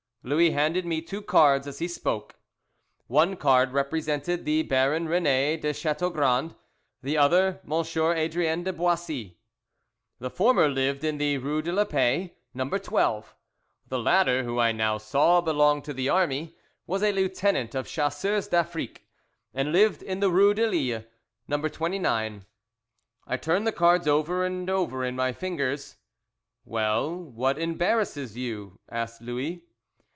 Louis handed me two cards as he spoke. One card represented the Baron René de Chateaugrand, the other M. Adrien de Boissy. The former lived in the Rue de la Paix, No. 12. The latter, who I now saw, belonged to the army, was a lieutenant of Chasseurs d'Afrique, and lived in the Rue de Lille, No. 29. I turned the cards over and over in my fingers. "Well, what embarrasses you?" asked Louis.